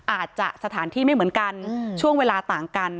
อาจจะสถานที่ไม่เหมือนกันช่วงเวลาต่างกัน